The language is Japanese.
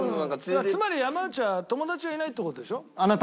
つまり山内は友達がいないって事でしょ？